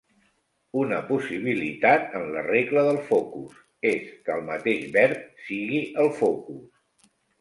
Una possibilitat en la regla del focus, és que el mateix verb sigui el focus.